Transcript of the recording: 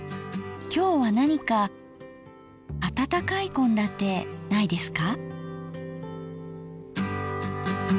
今日は何か温かい献立ないですか？